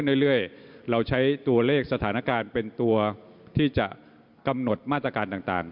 นี่นายใช้ตัวเลขสถานงางเป็นตัวที่จะกำหนดมาตรการต่าง